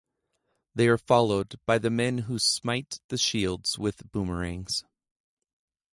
They are followed by the men who smite the shields with boomerangs.